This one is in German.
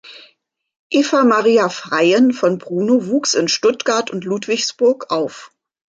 Eva "Maria" Freiin von Brunnow wuchs in Stuttgart und Ludwigsburg auf.